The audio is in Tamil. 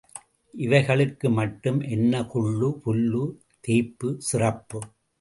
இவைகளுக்கு மட்டும் என்ன கொள்ளு, புல்லு, தேய்ப்பு, சிறப்பு!